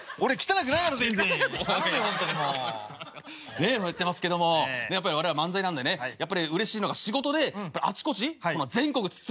ねえそうやってますけどもやっぱり我々は漫才なんでねやっぱりうれしいのが仕事であちこち全国津々浦々